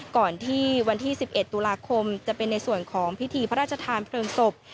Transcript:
ก่อนที่วันที่๑๑ตุลาคมจะเป็นในส่วนของพิธีพระราชทานเพลิงศพ